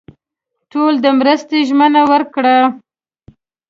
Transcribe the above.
ټولو د مرستې ژمنه ورکړه.